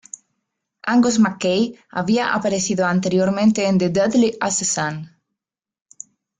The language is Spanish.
Angus MacKay había aparecido anteriormente en "The Deadly Assassin".